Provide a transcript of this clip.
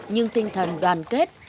nhưng tinh thần đoàn kết